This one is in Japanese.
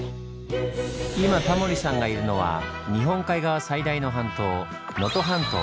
今タモリさんがいるのは日本海側最大の半島能登半島。